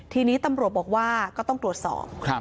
ทีนี้ตำรวจบอกว่าก็ต้องตรวจสอบ